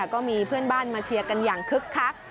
ก็มีเพื่อนบ้านมาเชียร์กันอย่างคึกคัก